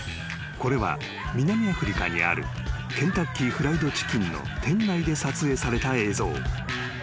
［これは南アフリカにあるケンタッキー・フライド・チキンの店内で撮影された映像］